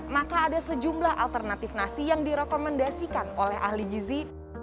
maka ada sejumlah alternatif nasi yang direkomendasikan oleh ahli gizi